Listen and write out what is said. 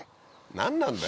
何なんだよ。